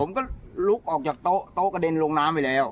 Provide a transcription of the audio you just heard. มันก็ลุกออกจากโต๊ะกระเด็นลงน้ำไปแล้ว